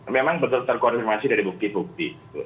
memang betul terkonfirmasi dari bukti bukti